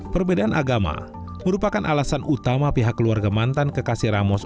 perbedaan agama merupakan alasan utama pihak keluarga mantan kekasih ramos